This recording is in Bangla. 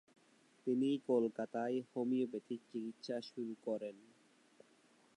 তিনি কলকাতায় হোমিওপ্যাথিক চিকিৎসা শুরু করেন।